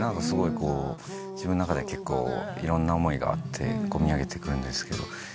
すごい自分の中で結構いろんな思いがあって込み上げてくるんですけど。